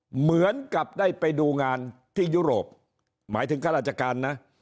เหมือนกับได้ไปดูงานที่ยุโรปหมายถึงข้าราชการนะ